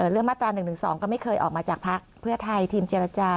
เรื่องมาตรา๑๑๒ก็ไม่เคยออกมาจากพักเพื่อไทยทีมเจรจา